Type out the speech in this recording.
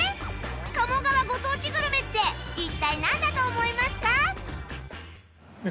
鴨川ご当地グルメって一体なんだと思いますか？